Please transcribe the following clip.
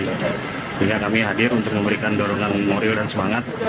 sehingga kami hadir untuk memberikan dorongan moral dan semangat